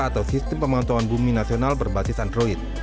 atau sistem pemantauan bumi nasional berbasis android